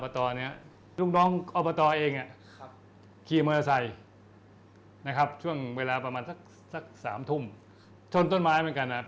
ตาย